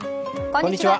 こんにちは。